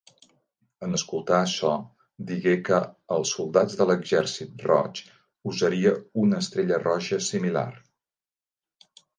En escoltar açò digué que els soldats de l'Exèrcit Roig usaria una estrella roja similar.